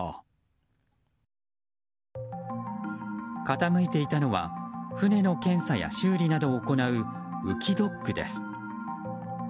傾いていたのは船の検査や修理などを行う浮きドックです。